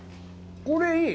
これ、いい！